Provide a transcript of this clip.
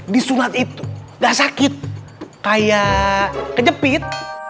disulat itu gak sakit kayak kejepit